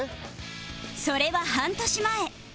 それは半年前